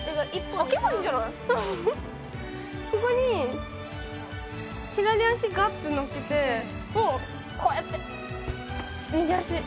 ここに左足ガッとのっけてもうこうやって右足。